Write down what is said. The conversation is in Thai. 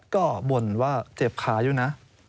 ก็บ่นว่าเจ็บขาอยู่นะ